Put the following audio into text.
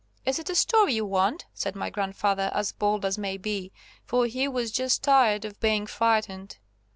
"Is it a story you want?" said my grandfather as bold as may be, for he was just tired of being frightened.